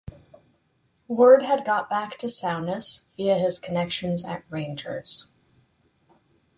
Word had got back to Souness via his connections at Rangers.